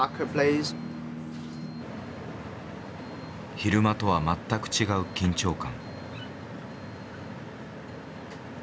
昼間とは全く違う緊張感。